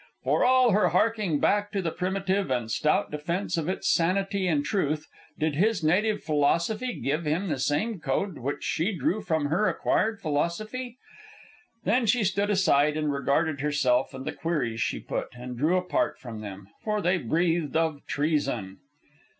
For all her harking back to the primitive and stout defence of its sanity and truth, did his native philosophy give him the same code which she drew from her acquired philosophy? Then she stood aside and regarded herself and the queries she put, and drew apart from them, for they breathed of treason.